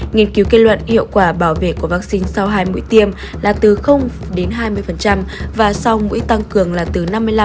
nghiên cứu kết luận hiệu quả bảo vệ của vaccine sau hai mũi tiêm là từ đến hai mươi và sau mũi tăng cường là từ năm mươi năm